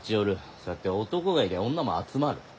そうやって男がいりゃ女も集まる。